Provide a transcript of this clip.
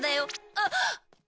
あっ！